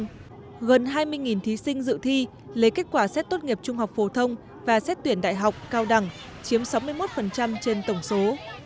gần hai mươi thí sinh dự thi lấy kết quả xét tốt nghiệp trung học phổ thông và xét tuyển đại học cao đẳng chiếm sáu mươi một trên tổng số